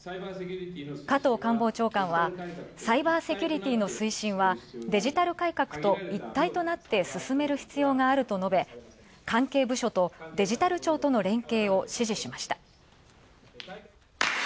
加藤官房長官は、サイバーセキュリティの推進はデジタル改革と一体となって進める必要があると述べ、関係部署とデジタル庁との連携を指示しました。